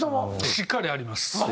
しっかりあります。